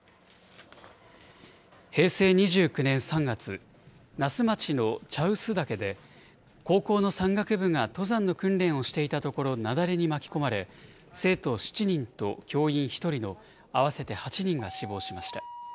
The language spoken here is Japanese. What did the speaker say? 平成２９年３月、那須町の茶臼岳で、高校の山岳部が登山の訓練をしていたところ、雪崩に巻き込まれ、生徒７人と教員１人の合わせて８人が死亡しました。